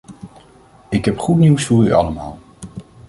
Ik heb goed nieuws voor u allemaal.